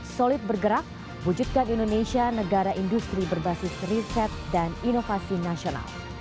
solid bergerak wujudkan indonesia negara industri berbasis riset dan inovasi nasional